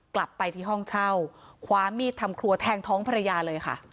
กลับไปที่ห้องเช่าคว้ามีดทำครัวแทงท้องภรรยาเลยค่ะ